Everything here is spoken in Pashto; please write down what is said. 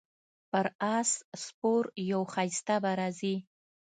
پر اس سپور یو ښایسته به راځي